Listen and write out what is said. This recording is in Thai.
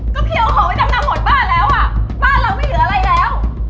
ก็พี่เอาของไปจำนำหมดบ้านแล้วอ่ะบ้านเราไม่เหลืออะไรแล้ว